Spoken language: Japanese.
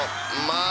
まあ